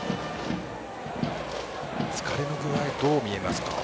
疲れの具合はどう見えますか。